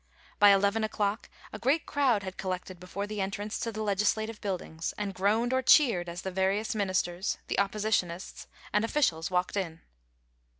By eleven o'clock a great crowd had collected before the entrance to the legislative Buildings, and groaned or cheered as the various ministers, the Oppositionists, and officials walked in.